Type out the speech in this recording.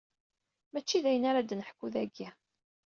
Mačči d ayen ara d-neḥku dagi.